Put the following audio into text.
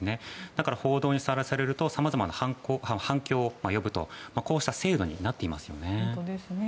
だから報道にさらされるとさまざまな反響を呼ぶこうした制度になっていますよね。